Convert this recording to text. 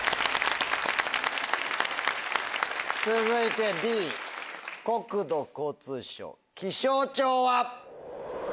続いてＢ国土交通省気象庁は。